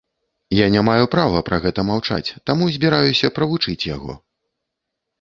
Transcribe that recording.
Я не маю права пра гэта маўчаць, таму збіраюся правучыць яго.